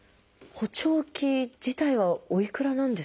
補聴器自体はおいくらなんですかね。